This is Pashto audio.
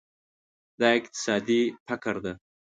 دا اقتصادي فقر ده.